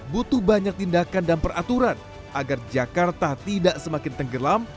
butuh banyak tindakan dan peraturan agar jakarta tidak semakin tenggelam